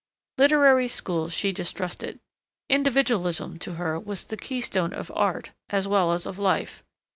Literary schools she distrusted. Individualism was to her the keystone of art as well as of life.